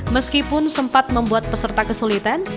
meskipun sempat membuat peserta kesulitan